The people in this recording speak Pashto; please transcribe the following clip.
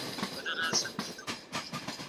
زه خپل قلم نه ورکوم.